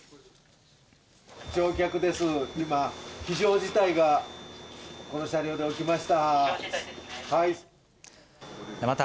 今、非常事態が、この車両で起きました。